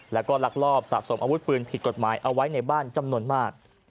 แล้วก็ลักลอบสะสมอาวุธปืนผิดกฎหมายเอาไว้ในบ้านจำนวนมาก